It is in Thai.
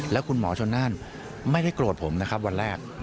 แล้วคุณหมอชนนั่นไม่ได้โกรธผมนะครับวันแรก